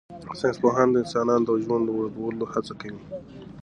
ساینس پوهان د انسانانو د ژوند اوږدولو هڅه کوي.